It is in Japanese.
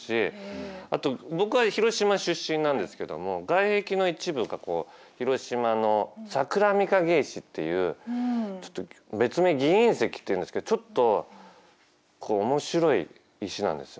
あと僕は広島出身なんですけども外壁の一部がこう広島の桜みかげ石っていうちょっと別名議員石っていうんですけどちょっと面白い石なんですよ。